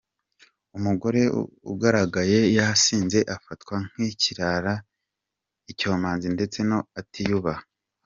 Umugore ugaragaye yasinze afatwa nk’ikirara, icyomanzi ndetse ko atiyubaha.